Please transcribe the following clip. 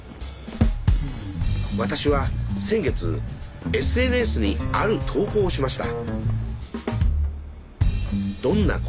私は先月ＳＮＳにある投稿をしました。